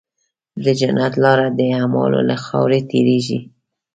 د جنت لاره د اعمالو له خاورې تېرېږي.